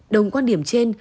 đồng quan điểm trên